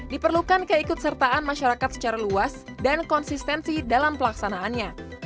diperlukan keikutsertaan masyarakat secara luas dan konsistensi dalam pelaksanaannya